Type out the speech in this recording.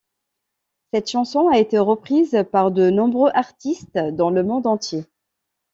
Cette chanson a été reprise par de nombreux artistes dans le monde entier.